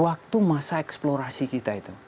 waktu masa eksplorasi kita itu